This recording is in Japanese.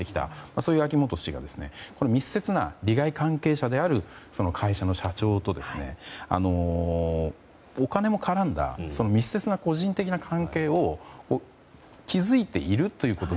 そういう秋本氏が密接な利害関係者である会社の社長と、お金も絡んだ密接な個人的な関係を築いていること。